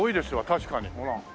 確かにほら。